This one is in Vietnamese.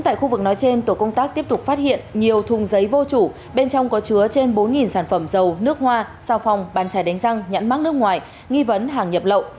tổ công tác tiếp tục phát hiện nhiều thùng giấy vô chủ bên trong có chứa trên bốn sản phẩm dầu nước hoa sao phòng bàn chai đánh răng nhãn mắc nước ngoài nghi vấn hàng nhập lậu